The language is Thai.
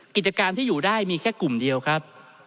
กิจการที่อยู่ได้มีแค่กลุ่มเดียวครับ